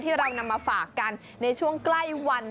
เรานำมาฝากกันในช่วงใกล้วัน